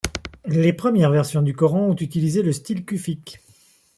Les premières versions du Coran ont utilisé le style kufique.